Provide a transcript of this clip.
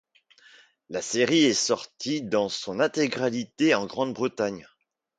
La série est sortie dans son intégralité en Grande-Bretagne.